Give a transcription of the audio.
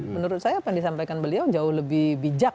menurut saya apa yang disampaikan beliau jauh lebih bijak